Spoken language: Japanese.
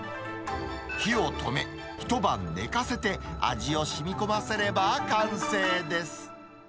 火を止め、一晩寝かせて、味をしみこませれば完成です。